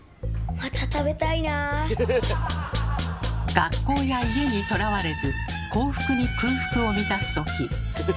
学校や家にとらわれず幸福に空腹を満たす時。